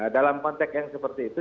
dalam konteks yang seperti itu